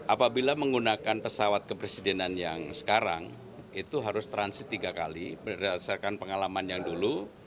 apabila menggunakan pesawat kepresidenan yang sekarang itu harus transit tiga kali berdasarkan pengalaman yang dulu